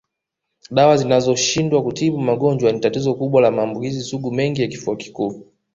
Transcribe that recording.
Dawa zinazoshindwa kutibu magonjwa ni tatizo kubwa la maambukizi sugu mengi ya kifua kikuu